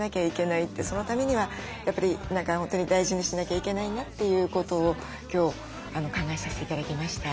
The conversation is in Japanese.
そのためにはやっぱり何か本当に大事にしなきゃいけないなということを今日考えさせて頂きました。